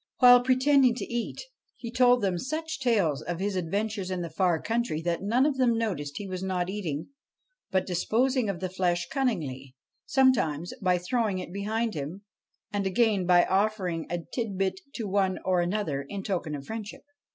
While pretending to eat, he told them such tales of his adventures in the far country that none of them noticed he was not eating, but disposing of the flesh cunningly, sometimes by throwing it behind him, and again by offering a tit bit to one or another in token of friendship.